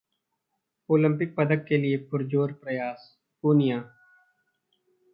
Olympic पदक के लिए पुरजोर प्रयास: पूनिया